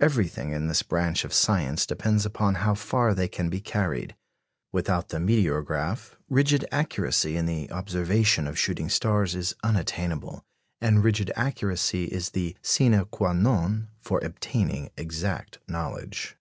Everything in this branch of science depends upon how far they can be carried. Without the meteorograph, rigid accuracy in the observation of shooting stars is unattainable, and rigid accuracy is the sine quâ non for obtaining exact knowledge.